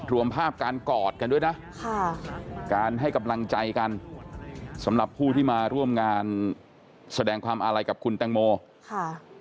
รวมภาพการกอดกันด้วยนะค่ะการให้กำลังใจกันสำหรับผู้ที่มาร่วมงานแสดงความอาลัยกับคุณแตงโมค่ะ